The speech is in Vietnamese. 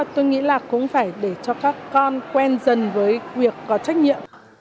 tôi nghĩ là cũng phải để cho các con quen dần với việc có trách nhiệm